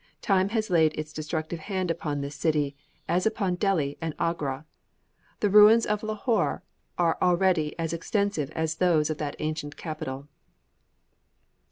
Time has laid its destructive hand upon this city, as upon Delhi and Agra. The ruins of Lahore are already as extensive as those of that ancient capital."